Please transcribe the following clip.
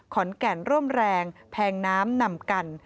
ขอนแก่นร่วมแรงแพงน้ำนำกัน